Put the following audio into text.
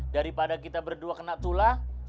daripada kita berdua kena tula